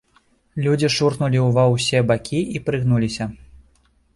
Людзі шурхнулі ўва ўсе бакі і прыгнуліся.